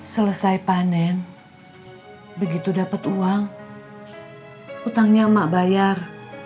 selesai panen begitu dapat uang utangnya emak bayar